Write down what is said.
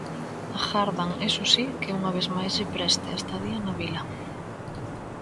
Agardan, iso si, que unha vez máis lle preste a estadía na vila.